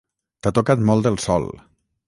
T'ha tocat molt el sol.